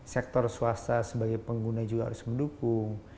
sektor swasta sebagai pengguna juga harus mendukung